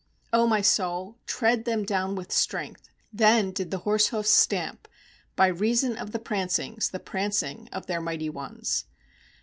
0 my soul, tread them down with strength. ^Then did the horsehoofs stamp By reason of the prancings, the prancings of their mighty ones.